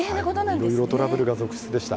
いろいろトラブルが続出でした。